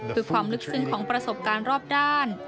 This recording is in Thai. คือความลึกซึ้งของประสบการณ์รอบด้าน